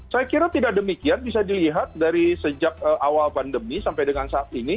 saya kira tidak demikian bisa dilihat dari sejak awal pandemi sampai dengan saat ini